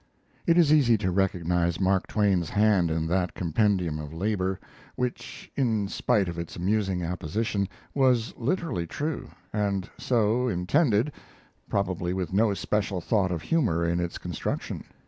It is easy to recognize Mark Twain's hand in that compendium of labor, which, in spite of its amusing apposition, was literally true, and so intended, probably with no special thought of humor in its construction.